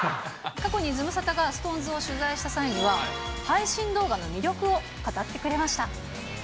過去にズムサタがＳｉｘＴＯＮＥＳを取材した際には、配信動画の魅力を語ってくれました。